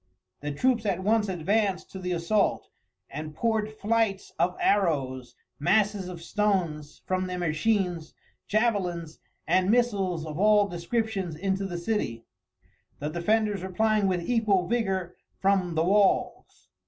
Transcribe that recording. The troops at once advanced to the assault, and poured flights of arrows, masses of stones from their machines, javelins, and missiles of all descriptions into the city, the defenders replying with equal vigour from the walls.